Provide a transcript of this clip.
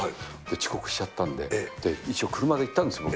遅刻しちゃったんで、一応、車で行ったんです、僕。